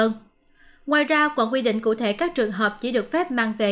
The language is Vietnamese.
ngoài ra còn quy định cụ thể các trường hợp chỉ được phép mang về